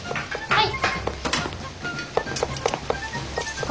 はい。